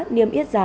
niêm yết giá